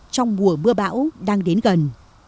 trong mùa mưa bão đang đến gần